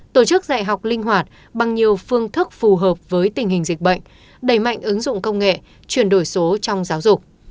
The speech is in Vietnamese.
tổ chức dạy học linh hoạt bằng nhiều phương thức phù hợp với tình hình dịch bệnh đẩy mạnh ứng dụng công nghệ chuyển đổi số trong giáo dục